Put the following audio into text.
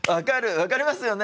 分かりますよね？ね。